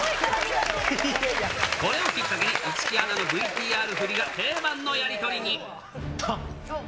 これをきっかけに、市來アナのＶＴＲ振りが定番のやり取りに。